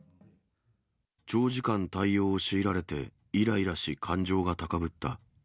長時間対応を強いられて、いらいらし、感情が高ぶった。